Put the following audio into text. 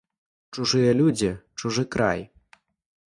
Чужыя людзі, чужы край.